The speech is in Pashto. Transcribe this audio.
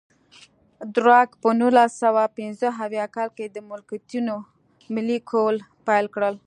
درګ په نولس سوه پنځه اویا کال کې د ملکیتونو ملي کول پیل کړل.